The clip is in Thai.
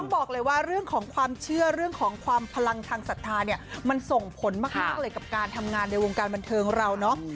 บอกเลยว่าเรื่องของความเชื่อเรื่องของความพลังทางศรัทธาเนี่ยมันส่งผลมากเลยกับการทำงานในวงการบันเทิงเราเนาะ